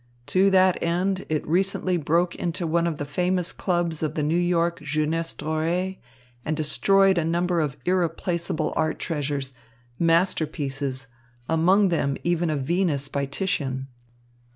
To that end it recently broke into one of the famous clubs of the New York jeunesse dorée and destroyed a number of irreplaceable art treasures, masterpieces, among them even a Venus by Titian."